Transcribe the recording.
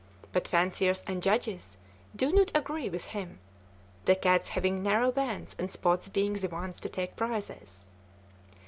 But fanciers and judges do not agree with him, the cats having narrow bands and spots being the ones to take prizes.